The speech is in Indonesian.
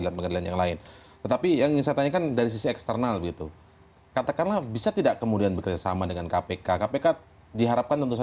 tangan tangan saja kita akan